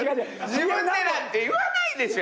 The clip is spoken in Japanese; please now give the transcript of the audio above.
自分でなんて言わないでしょ。